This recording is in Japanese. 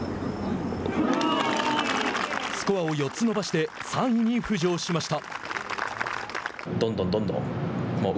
スコアを４つ伸ばして３位に浮上しました。